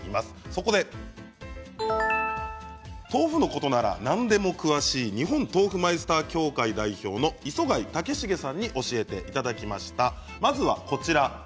そこで豆腐のことなら何でも詳しい日本豆腐マイスター協会代表の磯貝剛成さんに教えていただきました。